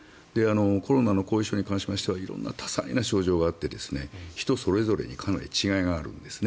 コロナの後遺症に関しましては色々、多彩な症状があって人それぞれかなり違いがあるんですね。